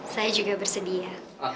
saya juga bersedia